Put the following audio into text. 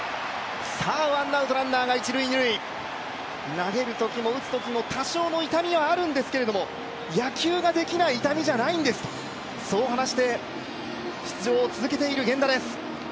投げるときも打つときも、多少の痛みはあるんですけども、野球ができない痛みじゃないんでと、そう話して出場を続けている源田です。